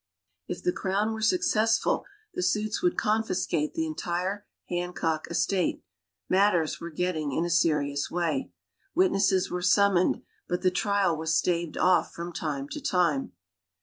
If the Crown were successful the suits would confiscate the entire Hancock estate matters were getting in a serious way. Witnesses were summoned, but the trial was staved off from time to time.